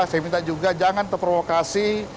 saya minta juga jangan terprovokasi